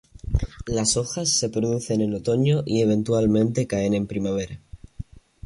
Las hojas se producen en otoño y eventualmente caen en primavera.